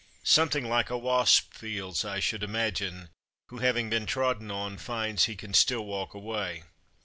Something like a wasp feels, I should im agine, who, having been trodden on, finds he can still walk away.